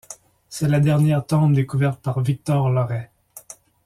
C'est la dernière tombe découverte par Victor Loret.